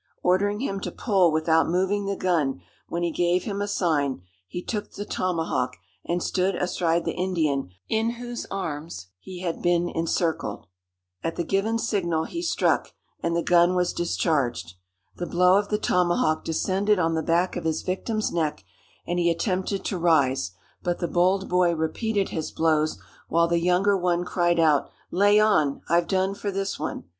Ordering him to pull without moving the gun when he gave him a sign, he took the tomahawk, and stood astride the Indian in whose arms he had been encircled. At the given signal he struck, and the gun was discharged. The blow of the tomahawk descended on the back of his victim's neck, and he attempted to rise; but the bold boy repeated his blows, while the younger one cried out, "Lay on!—I've done for this one!"